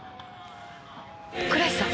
倉石さん。